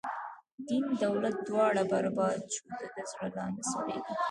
دین دولت دواړه بر باد شو، د ده زړه لا نه سړیږی